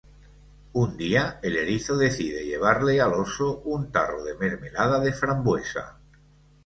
Un día, el erizo decide llevarle al oso, un tarro de mermelada de frambuesa.